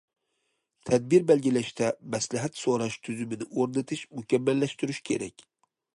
تەدبىر بەلگىلەشتە مەسلىھەت سوراش تۈزۈمىنى ئورنىتىش، مۇكەممەللەشتۈرۈش كېرەك.